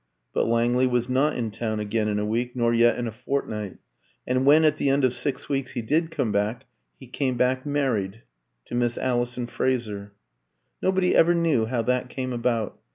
But Langley was not in town again in a week, nor yet in a fortnight. And when, at the end of six weeks, he did come back, he came back married to Miss Alison Fraser. Nobody ever knew how that came about.